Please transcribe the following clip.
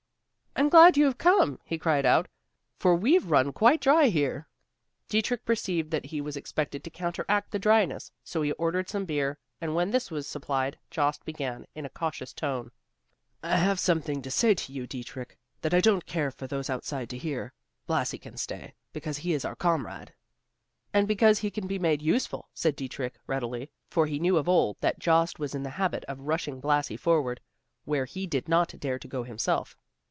"I'm glad you have come," he cried out, "for we've run quite dry here." Dietrich perceived that he was expected to counteract the dryness; so he ordered some beer, and when this was supplied Jost began in a cautious tone, "I have something to say to you, Dietrich, that I don't care for those outside to hear. Blasi can stay, because he is our comrade." "And because he can be made useful," said Dietrich readily, for he knew of old that Jost was in the habit of rushing Blasi forward, where he did not dare to go himself.